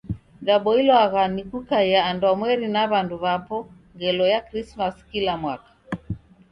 Daboilwagha ni kukaia andwamweri na w'andu w'apo ngelo ya Krisimasi kila mwaka.